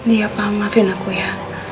iya pak maafin aku ya